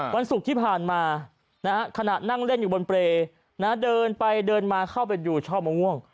วันศุกร์ที่ผ่านมาขณะนั่งเล่นอยู่บนเปรย์เดินไปเดินมาเข้าไปดูช่อมะม่วง